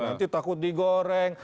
nanti takut digoreng